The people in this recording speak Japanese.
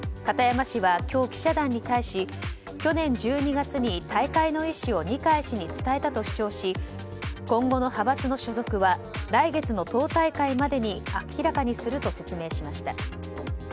片山氏は今日、記者団に対し去年１２月に退会の意思を二階氏に伝えたと主張し今後の派閥の所属は来月の党大会までに明らかにすると説明しました。